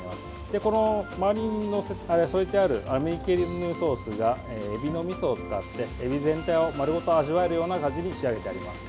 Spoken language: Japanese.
で、この周りに添えてあるアメリケーヌソースがえびのみそを使って、えび全体を丸ごと味わえるような感じに仕上げてあります。